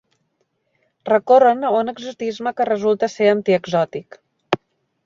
Recorren a un exotisme que resulta ser antiexòtic